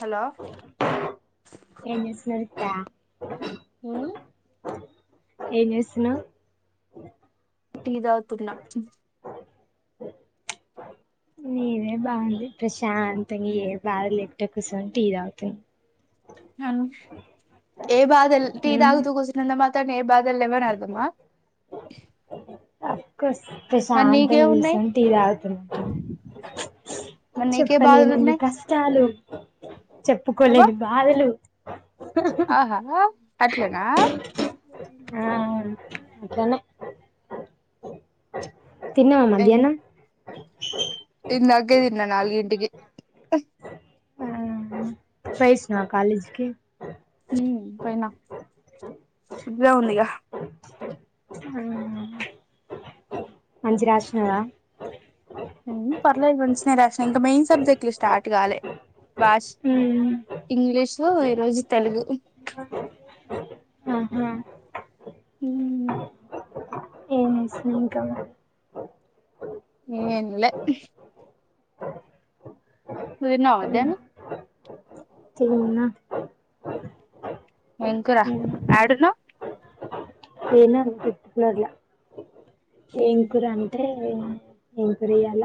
Hello ఎన్ని స్మృత అ ఏమ్ చేస్తున్నావ్ టీ తాగుతున్న నీదే బాగుంది ప్రశాంతంగా ఏ బాధ లెట్ట కూర్చొని టీ తాగుతూ హ ఏ బాధల్ ఉమ్ ఇదగదు కుజినంద మాతడి ఏ బాద్ [unintelligible] లేవని అర్దమా మరి ప్రశాంతం నీకే ఉన్నాయి కుర్సని టీ తాగుతున్న మరి నీకే బాధలు చెప్పలేనన్నీ ఉన్నాయి కష్టాలు చెప్పుకోలేని బాధలు ఆ హా అట్లనా ఆ అట్లనే తిన్నావ మధ్యాహ్ననం ఇందాకే తిన్న నాలుగింటికి పోయోచ్చీనవ కాలేజీకి ఉం పోయిన ఎగ్జామ్ ఉందిగా మంచిర రాసినారా ఉం పర్లేదు మంచినే రాసిన ఇంకా మెయిన్ సబ్జెక్ట్లు స్టార్ట్ కాలే బాష ఉమ్ ఇంగ్లీషు ఈరోజు తెలుగు ఆహా ఉం [inaudible] ఏమ్ లే నువ్వు తిన్నావా మధ్యాహ్నం తిన్న ఏమ్ కుర ఎడున్నవ్ ఏనా పట్టిలర్లా ఏం కూర అంటే [unintelligible] ఏమ్ కుర ఇయాల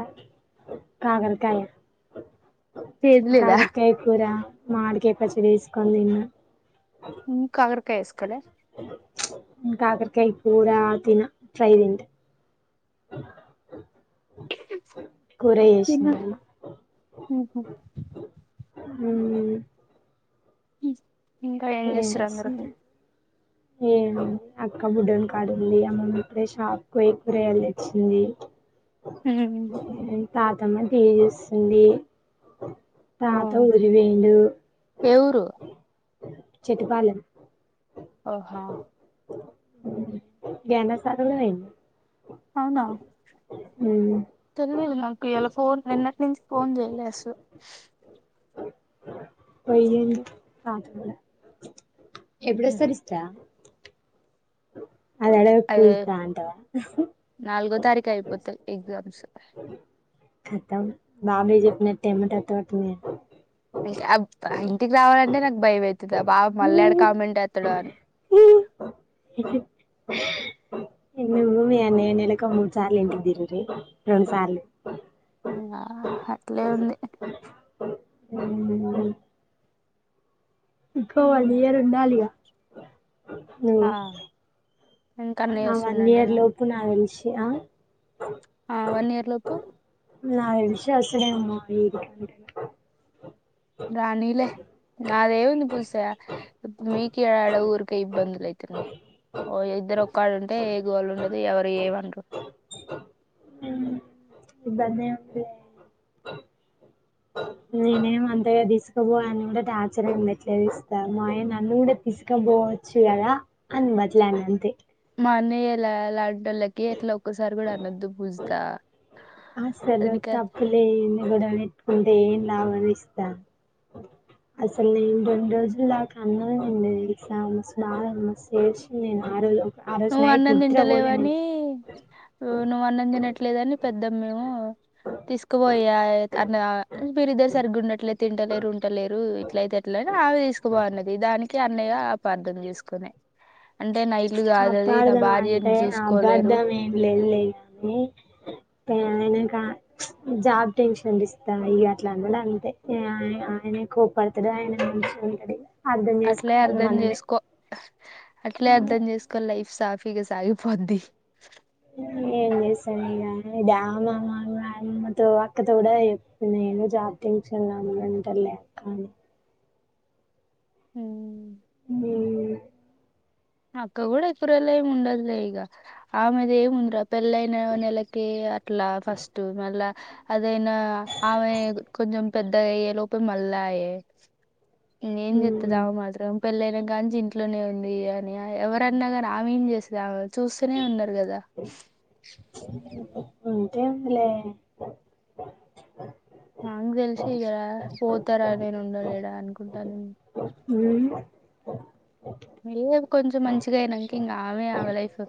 కాకరకాయ చేదు లేదా కాకరకాయ కూర మామిడికాయ పచ్చడి ఏసుకొని తిన్న ఉం కాకర కాయ ఏసుకొలే నేను కాకరకాయ కుర తిన ఫ్రై తింట కూర చేసిన మధి హు హమ్ ఉం ఇంకా ఏం చేస్తురు అందరు ఏం అక్క బుడ్డోని కాడుంది అమ్మమ్మ ఇప్పుడే షాప్ కు పోయి కూరగాయలు తెచ్చింది హఉమ్ తా తమ్మ టీవీ చూస్తోంది ఆ తాత ఊరిగీ పోయిండు ఏ ఊరు చటపాలెం ఓ హా గంట సారలైన్ [unintelligible] అవునా తెలియదు నాకు ఇయాలా ఫోన్ నిన్నటి నుంచి ఫోన్ చేయలే అసలు పోయ కాదు [unintelligible] ఎప్పుడ ఉహు. సరిస్తా [unintelligible] అ అడ అయ్యో పజతంటవా [unintelligible] నాలుగో తారీఖు అయిపోతాయి ఎగ్జామ్స్ తమ్ బబీ చె టెమట [unintelligible] ఇంటికి రావాలంటే నాకు భయం అయితంది బావ మళ్ళీ ఆడ కామంట్ ఎత్తడో అని [inaudible] ఇన్నిఊమి ఎన్న నెలక మూర్ సార్లు ఎంటిదిిరీ ఇం సార్లు [unintelligible] ఆ అట్లే ఉంది అ ఉమ్. ఇకోవలియరు నాలగా ఆ ఇంకా అన్నయ్య ఆ వన్ ఇయర్ వస్తుండంటనా లోపు నా వెలిసి ఆ ఆ వన్ ఇయర్ లోపు నా విశవాసడే ఉమ్మా రాణిలే నాదే వంది పూసే ఇప్పు మీకడాడ ఊరు కై ఇబంది అతున్నాయి ఓ ఇద్దరు ఒక్కళ్ళ ఉంటే ఏ గోళ ఉండదు ఎవరు ఏమండరు ఆ ఇది బన్న అంటే నేనేం అంతగా తీసుకు ని కూడా ట ఆచర్గా ఉన్నట్లే ఇస్త మా ఆయ నన్ను కూడా తీసుకపోవచ్చు కదా అని బదిలేనే మానేయ్యలా లాంటి వాళ్ళకి ఎట్లా ఒక్కసారి కూడా అనద్దు పూజా అసలు తప్పులే నిగుదని ఇట్కుంటే ఏన్ లాభ అని ఇస్తా అఓ అసలు నేను రెండు రోజుల దాకా అన్ననండి చేసింది నేను ఆ రోజు ఆ రోజు నువ్వు నైట్ అన్నం నిద్ర పోలే నేను తింటలేవని నువ్వు అన్నం తినట్ లేదని పెద్దం మేము తీసుకుపోయా అన్న మీరిద్దరు సరిగ్గా ఉన్నట్లేయి తినలేరు ఉండలేరు ఇట్లయితే ఎట్ల ఆవి తీసుకుపోన్నది దానికి అన్నయ్యపర్థం చేసుకునే అంటే న అపార్ధం అంటే అబార్ధం ఏం లేదులే కాని ఆయన కా జాబ్ టెన్షన్ అ ఇస్తా ఇ అట్లాంట అంతే ఆయన కోపడుతుడాడి అట్లే అర్ధం చేసుకో అట్లే అర్ధం చేసుకోని లైఫ్ సాఫీగా సాగిపోద్ది ఏ సర ఇద ఆ మ్మతో అక్కతో కూడా చెప్ప నేను జాతించ అను అంటారులే కానీ హ మీ అక్క కూడా ఎకురల్ ముండద్లే ఈగ ఆమెద ఏ ముందరక్క పెళ్ళయిన నెలకి అట్లా ఫస్ట్ మళ్ళా అదైనా ఆమె కొంచెం పెద్దగా అయ్యే లోపల మళ్ళయ ఏం చెప్తుదావ మాత్రం పెళ్ళైనా కా నుంచి ఇంట్లోనే ఉంది ఎవరైనా కానీ ఆమె ఏం చేస్తేమె చూస్తూనే ఉన్నారు కదా అలే నా తెలిసి ఇకరా పోతారా నేను ఉండలేడా అనుకుంటాను హ మ కొంచెం మంచిగా అయినాంక ఇంకా ఆమె ఆమె లైఫ్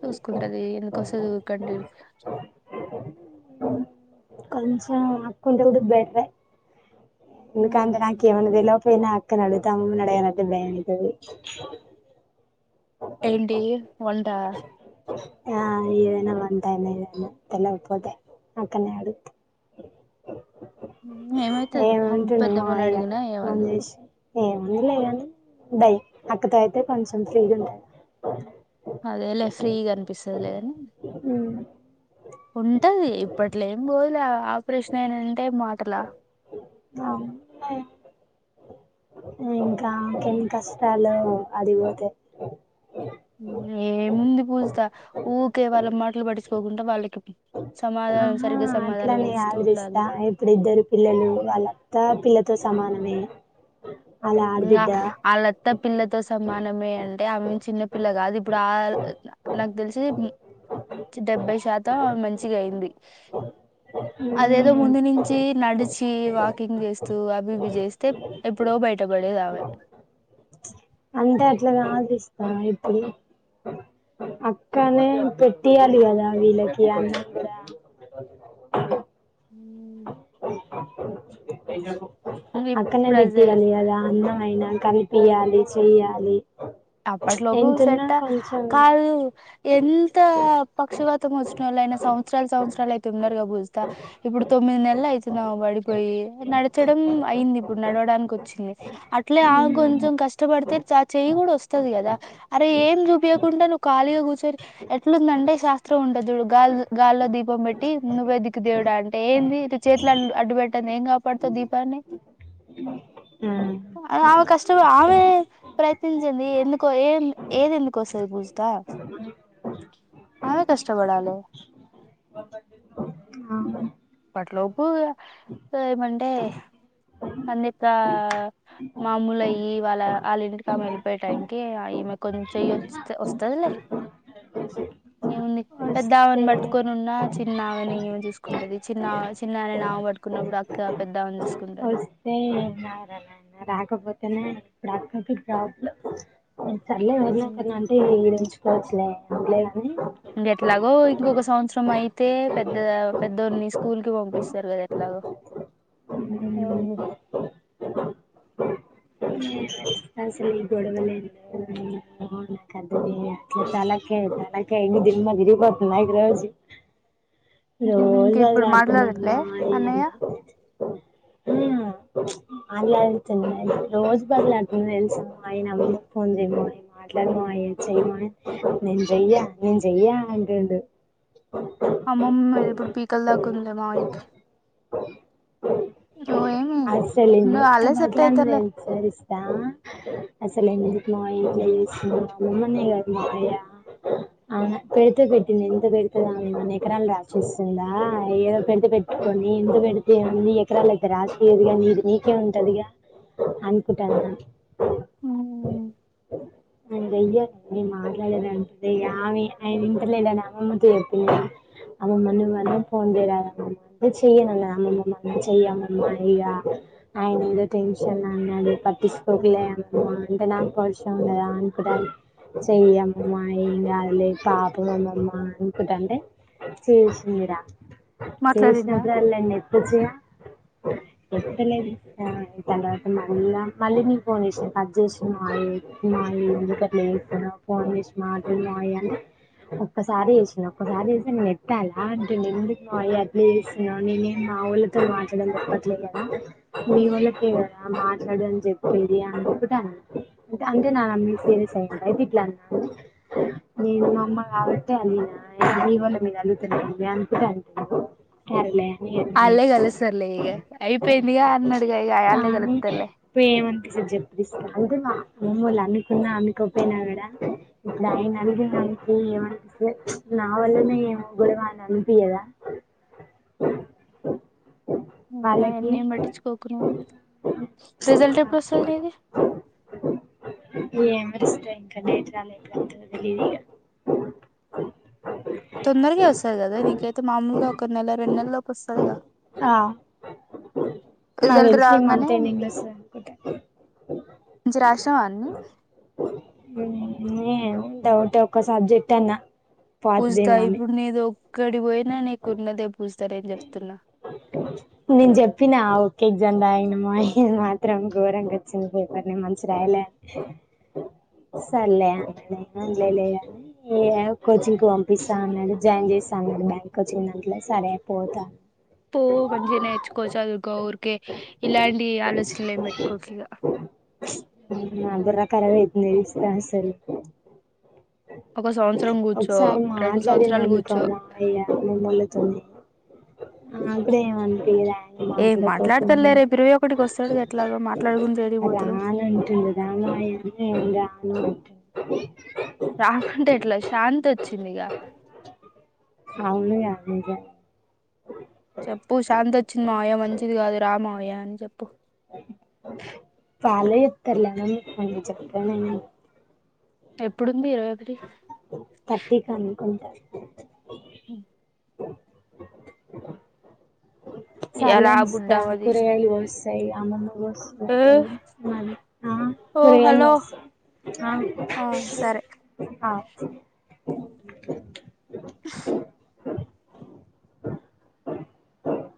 చూసుకుంటది ఎందుక వస్తది ట కొంచెం హకుంట ఉడుద్ బెట్రే ఇందుకాంత నాక ఏమనదలో పన్న అక్కనడుతే అమ్మని అడనట్ భతది ఏంటండి వంట ఆ ఇవనా వంతాయనే ఇదనా తెల ఒపోతే అక్కనే ఆడు ఏమైతది హమ్ ఏంటంట మా పెద్దమ్మని అయ్య అడిగినా ఫోన్ ఏమందు చేసి ఏముంది లే అని అక్కతోయితే కొంచెం ఫ్రీగా ఉంట అదేలే ఫ్రీ అనిపిస్తుదులేద అ ఉంటది ఇప్పట్లో ఏం పోలే ఆపరేషన్ అయినంటే మాటలా ఆ నాకే ఎన్ని కష్టాలు అది పోతే ఉ ఏముంది పూజితా ఊరికే వాళ్ళ మాటలు పటిచుకోకుండా వాళ్ళకి సమాధానం ఆహా సరిగ్గా సమాధానం అట్లనే ఇస్తూ ఆదరిస్తా ఉండాలి ఇప్పుడు ఇద్దరు పిల్లలు వాళ్ళ తా ఆ పిల్లతో సమానమే వాళ్ళ ఇంకా ఆడబిడ్డ ఆలత్త పిల్లతో సమాన్ న్నమే అంటే ఆమె చిన్న పిల్ల కాదు ఇప్పుడు ఆ నాకు తెలిసి డెబ్బై శాతం మంచిగా అయింది అదేదో ముందు నుంచి నడిచి వాకింగ్ చేస్తూ అవి ఇవి చేస్తే ఎప్పుడో బయటకు వెళ్ళేదామె అంటే అట్లాగా ఆశిస్తాను ఇప్పుడు అక్కనే పెట్టియాలి కదా వీళ్ళకి అన్న కూడా ఉ అక్కనే ప్రజె పెట్టాలి కదా అన్నమయిన కనిపియాలి చేయ్యాలి అప్పట్లోపు సట్ట కాదు ఎంత పక్షపాతం వచ్చినళ్ళ సంవత్సరలు సంవత్సరాలు అయితే ఉన్నారుగా పూజిత ఇప్పుడు తొమ్మిది నెల్ అవుతున్నావు పడిపోయి నడచడం అయింది ఇప్పుడు నడవడానికి వచ్చింది అట్లే ఆ కొ కొంచెం కష్టపడితే చ చేయి కూడా వస్ కదా అరే ఏం చూపించయకుండా నువ్వు ఖాళీగా కూర్చొని ఎట్లుందంటే శాస్త్రం ఉండదుడు గా గాల్లో దీపం పెట్టి నువ్వే దిక్కు దేవుడ అంటే ఏంది చేతులు అడ్డు పెట్టంది ఏం కాపాడుత దీప్ పన్ని ఉ ఆమె కష్ట ఆమె ప్రయత్నించంది ఎందుకో ఏ ఏది ఎందుకోసే పూజితా ఆమే కష్టపడాలి ఆ ఇప్పట్లోపు ఏమంటే అన్నికా మామూలు అయి వాళ్ళ వాళ్ళ ఇంటికి ఆమె వెళ్ళిపోయ టానికి ఈమె కొంచెం చెయ్యి వ వస్తదిలే ఏముంది పెద్ద ఆవను పట్టుకొని వస్తే ఉన్నా చిన్న ఆవని ఏమో చూసుకుంటది చిన్న చిన్నని నామ పట్టుకున్నప్పుడు అక్క పెద్దా అని చూస్ వస్తే ఏం కాదు రాకపోతే [unintelligible] ఉ సర్లే వదిలేకన్నా అంటే ఈంచుకోవచ్ లే వినలేదు అంటే ఎట్లాగో ఇంకొక సంవత్సరం అయితే పెద్ద పెద్దోని స్కూల్ కి పంపిస్ తెల ఎట్లాగో ఏముంది ఉ అసలు ఈ గొడవలు ఏందో నాకద్దు ఈ చాలా ఏందో నాకయి దిమ్మతిరిగిపోతుంది నాకు రోజు రోజు ఇంక ఇప్పుడు మాట్లాడట్లే అన్నయ్య [unintelligible] ఉ మాట్లాడించండి రోజు బదులు అర్దుం తెలుసా మా ఆయనమ్ ఫోన్ చేయమ ఆయన మాట్లాడమా ఆయ చెయమా నేన్ చెయ్య నేన్ చెయ్య అంటండు అమ్మమ్ మీరి ఇప్పుడు పీకల దాక ఉందేమో మావి ఓ ఏమి ను అల్లే సెట్ అయితరులే సరిస్తా అసలు ఎందుకు [unintelligible] అవునా పెడితే పెట్టింది ఇంత పెడితేదా మన ఎకరాలు రాసిస్తుందా ఏదో పెడితే పెట్టుకొని ఎంత పెడితేంది ఎకరాలకి రాసియదుగా నీది నీకే ఉంటదిగా అనుకుంటాన్నా నేన్ జేయ్యాన్ నేన్ మాట్లాడలే అంటదే ఇగ ఆమె ఆయన ఇంటలేడని అమ్మమ్మతో చెప్పింది అమ్మమ్మ నువ్ అన్న ఫోన్ చెయరాదూ అంటే అ చెయ్యనమ్మమ్మ అ చెయ్య అమ్మమ్మా ఇగ ఆయనేదో టెన్ష న్ లో అన్నడు పట్టించుకోకు లే అమ్మమ్మ అంటే నాకు పౌరుషం లేదా అనుకుంట చెయ్యమ్మా ఏం గాదు లే పాపం అమ్మమ్మా అనుకుంటా ఉంటే చేసింది ఇరా మాట్లాడిండా చేసినప్పుడు అల్ల ఎత్తోచ్చుగా ఎత్తలే ఇగ దాని తర్వాత మళ్ళా మళ్ళీ నీకు ఫోన్ చేసిన కట్ చేసినవా ఎత్తు మామయ్య ఎందుకట్ల చేస్తున్నావ్ ఫోన్ చేసి మాట్లాడు మామయ్య అంటే ఒక్కసారి చేసినవ్ ఒక్కసారి చేస్తే నేన్ ఎత్తాలా అంటుండు ఎందుకు మామయ్య అట్లా చేస్తున్నవ్ నేనే మాళ్ళతో మాట్లాడమని చెప్పట్లేదు కదా మీ వాళ్ళ కదా మాట్లాడు అని చెప్పేది అనుకుంటాను అంటే నా మీద సీరియస్ అయిండు అయితే ఇట్లా అన్నా నేను మా అమ్మ కాబట్టే అన్నది నీ వోల్ల మీద అలుగుతుంది అనుకుంటే అనుకోని సరేలే అని ఆల్లే నేను గలుస్తర్లే ఇగ అయిపోయిందిగా అన్నడిగ కానీ ఏమ అసల్ చెప్పిస్త అంటే మా అమ్ళ్ళు అమ్కున్నా అమ్కిపోయినా కద ఇప్పులా ఆయన అగే మా నాకు ఏమనిపిస్తద్ నావల్లనే ఏమో గొడవ అని అనిపియదా [inaudible] నువ్ అయన్నేం పట్టించుకోకు నువ్వు రిజల్ట్ ఎప్పుడు వస్తది నీది ఏమో లిస్ట్ ఇంకా డేట్ రాలేదు తెలియదిగ తొందరగే వస్తది గదా నీకైతే మామూలుగా ఒక నెల రెండు నెల లోపు వస్తదిగా ఆ నాకు రిజల్ట్ దెల్సి ఈ రాగానే మాంత్ ఎడింగ్ లో వస్తది అనుకుంటా మంచిగ రాసినవా అన్ని ఏమో డౌట్ ఒక సబ్జెక్ట్ అన్న పూజిత ఇప్పుడు నీదు ఒక్కడి పోయినా నీకున్నదే పూజి నేను జెప్పినా ఎగ్జామ్ రాయలే మామయ్య ఇది మాత్రం ఘోరంగా వచ్చింది పేపర్ నేన్ మంచి రాయలే అని [inaudible] సర్లే అన్నడాయన లేలే అని ఏ కోచింగ్ కు పంపిస్తా అన్నాడు జాయిన్ జేస్తా బ్యాంక్ కోచింగ్ దాంట్ల సరే పోతా పో మంచిగా నేర్చుకో చదువుకో ఊరికే ఇలాంటి ఆలోచనలు ఏం పెట్టుకోకు ఇగా నా బుర్ర కరాబ్ అయితుంది దెల్సా అసలు ఒక సంవత్సరం కూర్చో ఒకసారి రెండు మాట్లాడిండు సంవత్సరాలు అనుకో కూర్చో మామయ్య అమమ్మొల్లతోని నాగూడ ఏం అనిపియదు ఏ మాట్లాడుకోకుండా మాట్లాడతాడులే రేపు ఉంటే ఇరవై ఒకటికి వస్తాడుగా ఎట్లాగో మాట్లాడుకుంట ఏడికి పోతాడు రానట్టుగా రమ్మంటే మాయమ్మె నేను రాను అంటుండు రాకుంటే ఎట్లా శాంతి వచ్చింది ఇగ అవునుగా నిజంగా చెప్పు శాంతి వచ్చింది మావయ్య మంచిది కాదు రా మావయ్య అని చెప్పు వాళ్ళే జెప్తర్లే అమ్మమ్మ ఫోన్ జేసి చెప్పనేను ఎప్పుడుంది ఇరవై ఒకటి థట్టీకి అనుకుంటా ఉమ్ ఇయాల బుడ్డ సర్లేనిస్తా ఆమెది కూరగాయలు గోస్తా ఇగ అమ్మమ్మ ఏ ఆ మరి ఆ ఓ కూరగాయలు హలో గోస్త ఆ సరే ఆ అవ్ [inaudible]